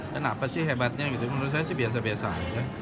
kenapa sih hebatnya gitu menurut saya sih biasa biasa aja